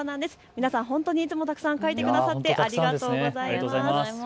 皆さん本当にいつもたくさん描いてくださってありがとうございます。